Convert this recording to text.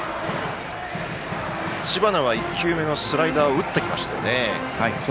知花は１球目のスライダーを打ってきましたよね。